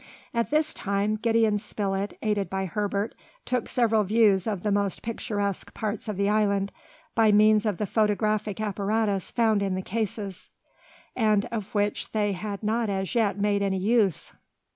At this time Gideon Spilett, aided by Herbert, took several views of the most picturesque parts of the island, by means of the photographic apparatus found in the cases, and of which they had not as yet made any use.